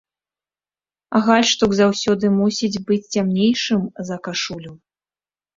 Гальштук заўсёды мусіць быць цямнейшым за кашулю.